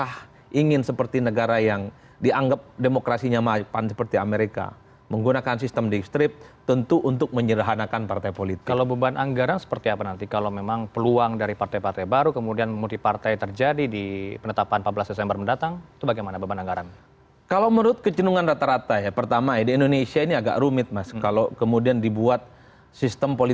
hanya fahri hamzah di situ yang selalu muncul